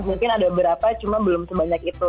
mungkin ada berapa cuma belum sebanyak itu